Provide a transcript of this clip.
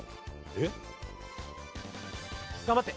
えっ？頑張って！